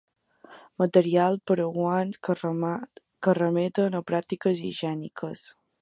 Material per a guants que remeten a pràctiques higièniques.